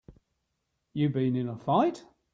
You been in a fight?